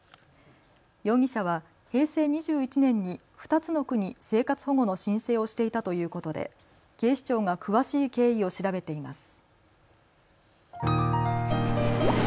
容疑者は平成２１年に２つの区に生活保護の申請をしていたということで警視庁が詳しい経緯を調べています。